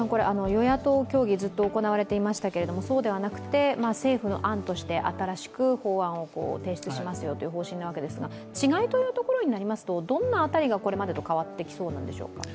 与野党協議、ずっと行われていましたけど、そうではなくて政府の案として新しく法案を提出しますよという方針なわけですが違いというところになりますと、どんな辺りがこれまでと変わってきそうなんですか？